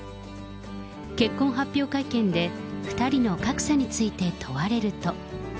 結婚発表会見で、２人の格差について問われると。